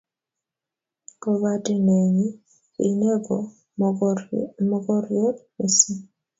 Kopate nenyi, ine ko mokoriot mising